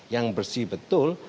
yang bersih betul